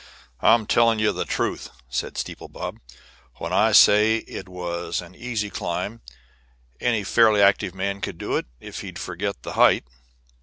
"I'm telling you the truth," said Steeple Bob, "when I say it was an easy climb; any fairly active man could do it if he'd forget the height.